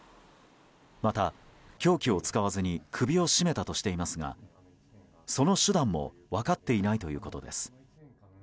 また、凶器を使わずに首を絞めたとしていますがその手段も分かっていないということです。